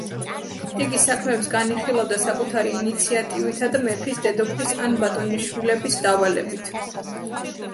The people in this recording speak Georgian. იგი საქმეებს განიხილავდა საკუთარი ინიციატივითა და მეფის, დედოფლის ან ბატონიშვილების დავალებით.